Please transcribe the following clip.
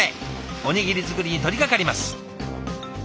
おにぎり作りに取りかかります。